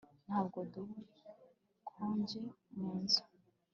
Ntabwo dukonje mu nzu